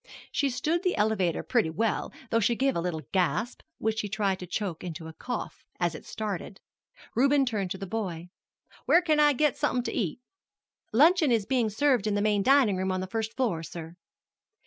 She stood the elevator pretty well, though she gave a little gasp (which she tried to choke into a cough) as it started. Reuben turned to the boy. "Where can I get somethin' to eat?" "Luncheon is being served in the main dining room on the first floor, sir."